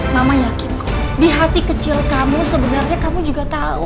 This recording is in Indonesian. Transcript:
mama yakinku di hati kecil kamu sebenarnya kamu juga tahu